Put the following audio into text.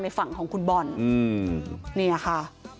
ฝั่งของคุณบอลเนี่ยค่ะ